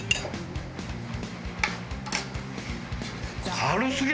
軽すぎる？